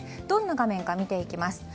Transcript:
どんな画面か見ていきます。